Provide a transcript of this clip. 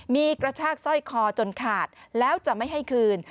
มีกระชากสร้อยคอจนขาดแล้วจะไม่ให้คืน